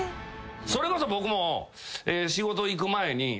それこそ僕も仕事行く前に。